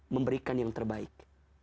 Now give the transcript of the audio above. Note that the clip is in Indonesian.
memberikan yang terbaik